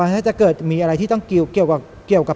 ถ้าเกิดมีอะไรเกี่ยวกับ